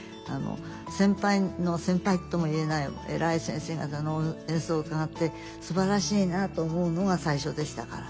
先輩の先輩とも言えない偉い先生方の演奏を伺ってすばらしいなと思うのが最初でしたから。